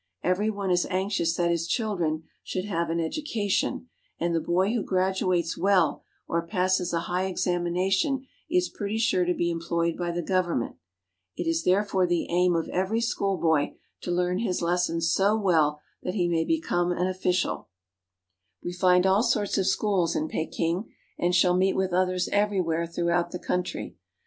Every one is anxious that his children should have an education ; and the boy who gradu ates well or passes a high examination is pretty sure to be employed by the government. It is therefore the aim of Portion of a Chinese Book. THE GOVERNMENT AND THE SCHOOLS 133 every schoolboy to learn his lessons so well that he may become an official. We find all sorts of schools in Peking, and shall meet with others everywhere throughout the country.